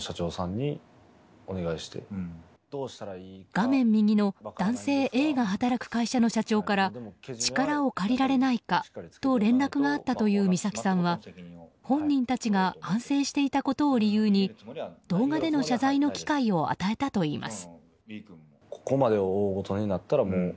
画面右の男性Ａが働く会社の社長から力を借りられないかと連絡があったという三崎さんは本人たちが反省していたことを理由に動画での謝罪の機会を与えたといいます。